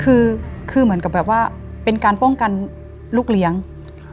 คือคือเหมือนกับแบบว่าเป็นการป้องกันลูกเลี้ยงครับ